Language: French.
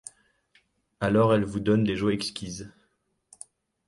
Alors elle vous donne des joies exquises.